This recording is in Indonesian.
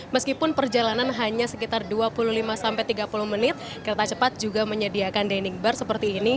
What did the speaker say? meskipun perjalanan hanya sekitar dua puluh lima sampai tiga puluh menit kereta cepat juga menyediakan dining bar seperti ini